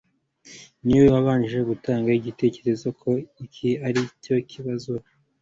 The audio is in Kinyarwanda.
niwe wabanje gutanga igitekerezo ko iki aricyo kibazo